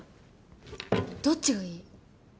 どっちがいい？